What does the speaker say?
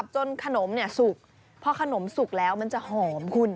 จนขนมสุกพอขนมสุกแล้วมันจะหอมคุณ